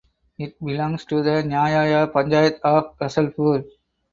It belongs to the nyaya panchayat of Rasulpur.